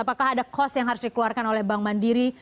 apakah ada cost yang harus dikeluarkan oleh bank mandiri